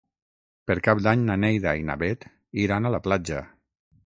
Per Cap d'Any na Neida i na Bet iran a la platja.